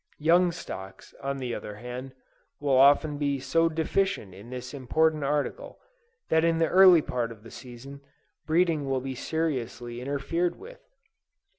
Young stocks, on the other hand, will often be so deficient in this important article, that in the early part of the season, breeding will be seriously interfered with.